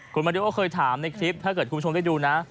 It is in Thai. คุณมาริวก็เคยถามในคลิปถ้าเกิดคุณผู้ชมได้ดูนะ